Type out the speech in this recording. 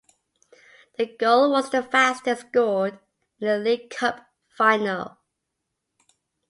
The goal was the fastest scored in a League Cup final.